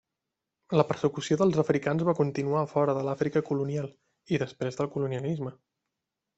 La persecució dels africans va continuar a fora de l'Àfrica colonial, i després del colonialisme.